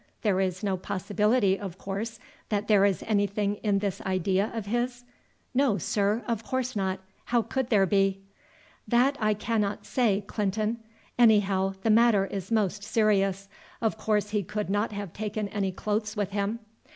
"There is no possibility, of course, that there is anything in this idea of his?" "No, sir, of course not. How could there be?" "That I cannot say, Clinton. Anyhow the matter is most serious. Of course he could not have taken any clothes with him?"